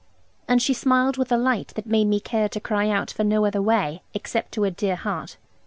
And she smiled with a light that made me care to cry out for no other way, except to her dear heart.